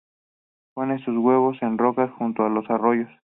Pone sus huevos en rocas junto a los arroyos.